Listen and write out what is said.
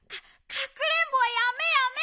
かくれんぼはやめやめ！